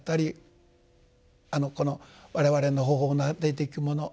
この我々の頬をなでていくもの